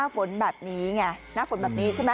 หน้าฝนแบบนี้ใช่ไหม